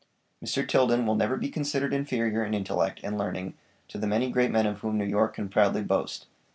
Mr. Tilden will never be considered inferior in intellect and learning to the many great men of whom New York can proudly boast.